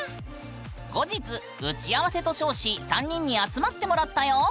後日打合せと称し３人に集まってもらったよ。